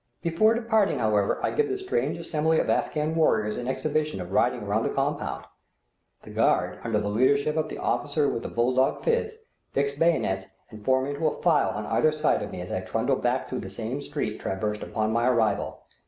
Before departing, however, I give the strange assembly of Afghan warriors an exhibition of riding around the compound. The guard, under the leadership of the officer with the bull dog phiz, fix bayonets and form into a file on either side of me as I trundle back through the same street traversed upon my arrival.